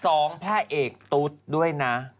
พระเอกตุ๊ดด้วยนะ